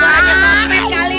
suaranya sospek kali